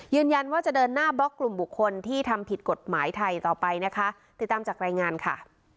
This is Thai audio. ยืนยันว่าจะเดินหน้าบล็อกกลุ่มบุคคลที่ทำผิดกฎหมายไทยต่อไปนะคะติดตามจากรายงานค่ะ